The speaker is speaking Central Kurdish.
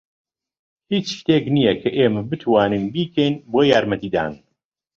هیچ شتێک نییە کە ئێمە بتوانین بیکەین بۆ یارمەتیدان.